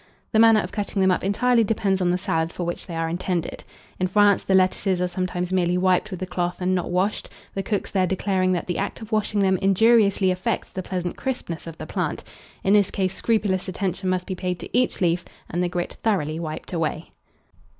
The manner of cutting them up entirely depends on the salad for which they are intended. In France the lettuces are sometimes merely wiped with a cloth and not washed, the cooks there declaring that the act of washing them injuriously affects the pleasant crispness of the plant: in this case scrupulous attention must be paid to each leaf, and the grit thoroughly wiped away.